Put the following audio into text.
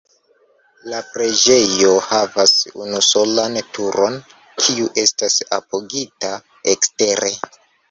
La preĝejo havas unusolan turon, kiu estas apogita ekstere.